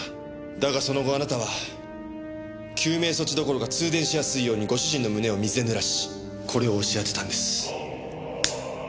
だがその後あなたは救命措置どころか通電しやすいようにご主人の胸を水でぬらしこれを押し当てたんです。